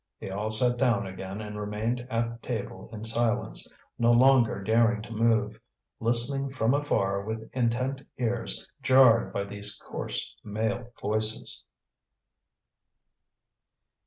They all sat down again and remained at table in silence, no longer daring to move, listening from afar with intent ears jarred by these coarse male voices.